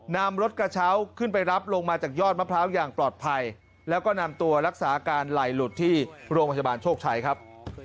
นำรถกระเช้าขึ้นไปรับลงมาจากยอดมะพร้าวอย่างปลอดภัยแล้วก็นำตัวรักษาอาการไหล่หลุดที่โรงพยาบาลโชคชัยครับ